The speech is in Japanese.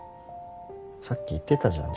さっき言ってたじゃん